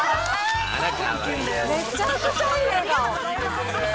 めちゃくちゃいい笑顔。